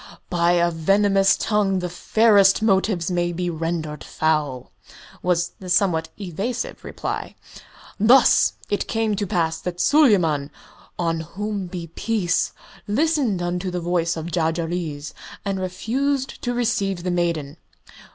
"By a venomous tongue the fairest motives may be rendered foul," was the somewhat evasive reply. "Thus it came to pass that Suleyman on whom be peace! listened unto the voice of Jarjarees and refused to receive the maiden.